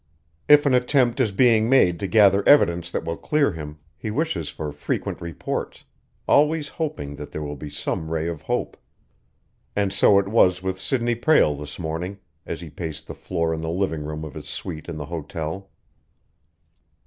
If an attempt is being made to gather evidence that will clear him, he wishes for frequent reports, always hoping that there will be some ray of hope. And so it was with Sidney Prale this morning, as he paced the floor in the living room of his suite in the hotel.